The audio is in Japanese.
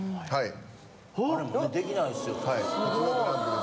はい。